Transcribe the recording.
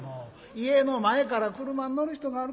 家の前から俥に乗る人があるか。